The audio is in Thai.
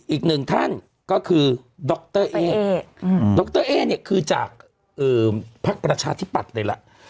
อีกหนึ่งท่านก็คือดรเอดรเอคือจากภาคประชาธิปัตย์เลยล่ะ